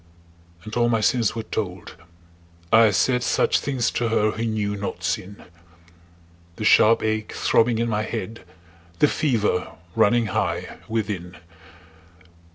And all my sins were told; I said Such things to her who knew not sin The sharp ache throbbing in my head, The fever running high within.